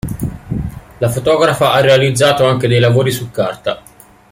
La fotografa ha realizzato anche dei lavori su carta.